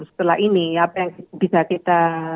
setelah ini apa yang bisa kita